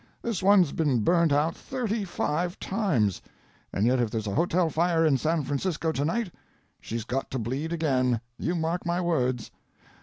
This one's been burnt out thirty five times. And yet if there's a hotel fire in San Francisco to night she's got to bleed again, you mark my words.